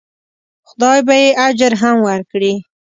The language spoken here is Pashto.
خدای به یې اجر هم ورکړي.